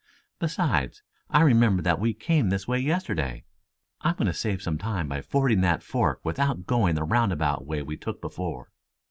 Besides I remember that we came this way yesterday. I'm going to save some time by fording that fork without going the roundabout way we took before."